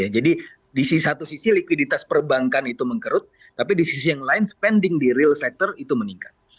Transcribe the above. jadi di satu sisi likuiditas perbankan itu mengerut tapi di sisi yang lain spending di real sector itu meningkat